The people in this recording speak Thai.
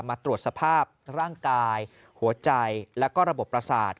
มาตรวจสภาพร่างกายหัวใจแล้วก็ระบบประสาท